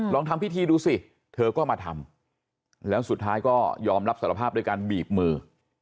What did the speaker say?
ลองทำพิธีดูสิเธอก็มาทำแล้วสุดท้ายก็ยอมรับสารภาพด้วยการบีบมือ